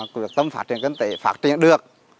cứ tâm phát triển cân tế phát triển được